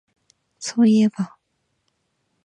そういえば